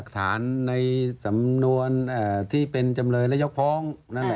ที่เป็นจำเลยระยะฟ้อง